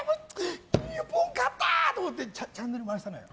日本勝った！と思ってチャンネルを回したのよ。